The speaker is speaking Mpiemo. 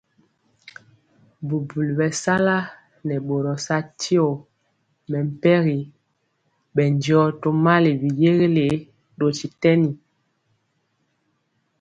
Bubuli bɛsala nɛ boro sa tyɛɔ mɛmpegi bɛndiɔ tomali biyeguelé dotytɛni.